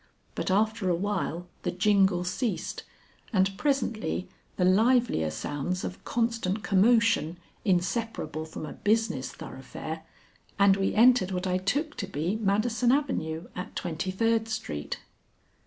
But after awhile the jingle ceased and presently the livelier sounds of constant commotion inseparable from a business thoroughfare, and we entered what I took to be Madison Avenue at Twenty third Street.